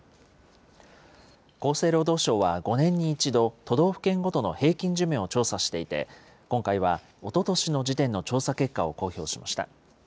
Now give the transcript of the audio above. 厚生労働省は５年に１度、都道府県ごとの平均寿命を調査していて、今回はおととしの時点の調査結果を公表しました。